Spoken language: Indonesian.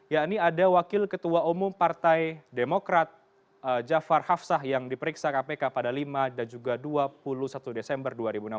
yakni ada wakil ketua umum partai demokrat jafar hafsah yang diperiksa kpk pada lima dan juga dua puluh satu desember dua ribu enam belas